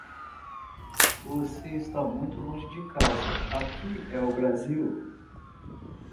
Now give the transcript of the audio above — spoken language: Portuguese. Você está muito longe de casa, aqui é o Brasil!